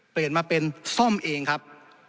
เปลี่ยนมาเป็นซ่อมเองครับ